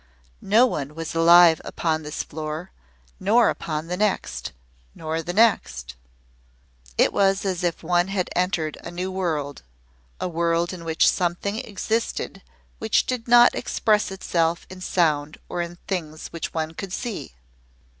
No one was alive upon this floor nor upon the next nor the next. It was as if one had entered a new world a world in which something existed which did not express itself in sound or in things which one could see.